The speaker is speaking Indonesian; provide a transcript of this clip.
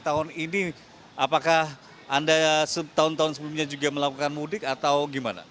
tahun ini apakah anda setahun tahun sebelumnya juga melakukan mudik atau gimana